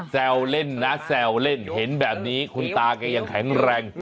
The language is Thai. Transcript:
แซวเล่นนะแซวเล่นเห็นแบบนี้คุณตาแกยังแข็งแรง